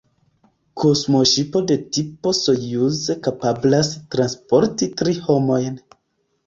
Kosmoŝipo de tipo Sojuz kapablas transporti tri homojn.